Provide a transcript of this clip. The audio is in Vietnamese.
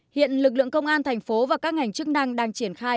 hiện lực lượng công an thành phố và các ngành chức năng đang triển khai